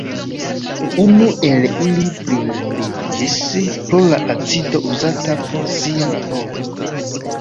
Unu el ili blindiĝis pro la acido uzata por sia laboro.